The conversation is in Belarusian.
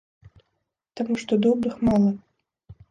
Таму што добрых мала.